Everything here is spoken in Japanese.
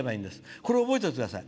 これを覚えておいてください。